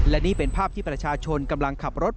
และนี่เป็นภาพที่ประชาชนกำลังขับรถ